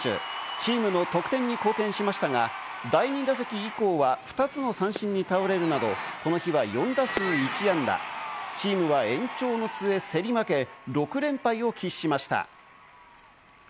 チームの得点に貢献しましたが、第２打席以降は２つの三振に倒れるなど、この日は４打数１安打、チームは延長の末、競り負けて６連敗を喫しました。